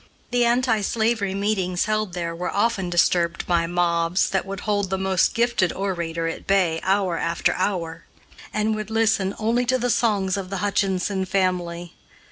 The anti slavery meetings held there were often disturbed by mobs that would hold the most gifted orator at bay hour after hour, and would listen only to the songs of the Hutchinson family.